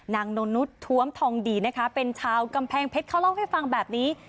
นนนุษย์ท้วมทองดีนะคะเป็นชาวกำแพงเพชรเขาเล่าให้ฟังแบบนี้